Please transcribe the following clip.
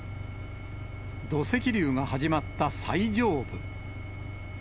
土石流の始まった最上部。